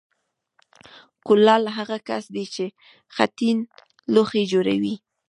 کولال هغه کس دی چې خټین لوښي جوړوي